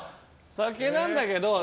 酒なんだけど。